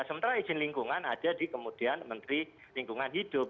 sementara izin lingkungan ada di kemudian menteri lingkungan hidup